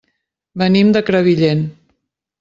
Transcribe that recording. Venim de Crevillent.